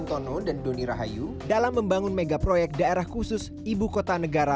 hal hal inilah yang akan menjadi tantangan tersendiri untuk pemerintahan negara